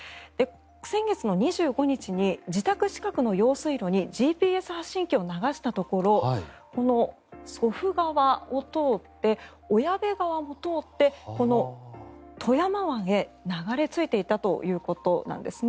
先月２５日に自宅近くの用水路にＧＰＳ発信機を流したところこの祖父川を通って小矢部川を通ってこの富山湾へ流れ着いていたということです。